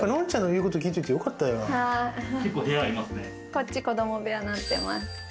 こっち、子供部屋になってます。